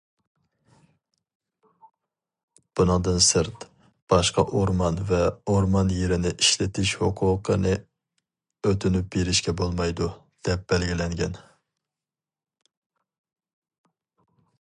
بۇنىڭدىن سىرت، باشقا ئورمان ۋە ئورمان يېرىنى ئىشلىتىش ھوقۇقىنى ئۆتۈنۈپ بېرىشكە بولمايدۇ، دەپ بەلگىلەنگەن.